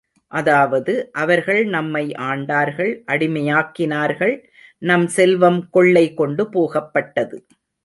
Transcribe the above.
அதாவது அவர்கள் நம்மை ஆண்டார்கள் அடிமையாக்கினார்கள் நம் செல்வம் கொள்ளை கொண்டு போகப்பட்டது.